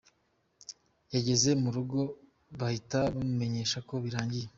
Yageze mu rugo bahita bamumenyesha ko birangiye.